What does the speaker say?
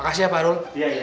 makasih ya pak arul